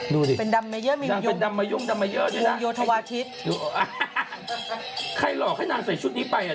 ดูสินางเป็นดำมายุ่งดำมายุ่งด้วยน่ะใครหลอกให้นางใส่ชุดนี้ไปอ่ะเถอะ